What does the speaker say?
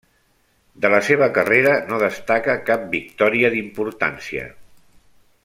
De la seva carrera no destaca cap victòria d'importància.